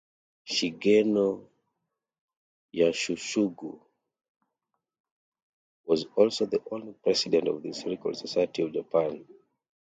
Shigeno Yasutsugu was also the only president of the Historical Society of Japan.